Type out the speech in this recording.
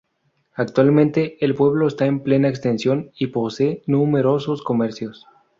Actualmente, el pueblo está en plena extensión y posee numerosos comercios.